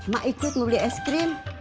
mak ikut mau beli es krim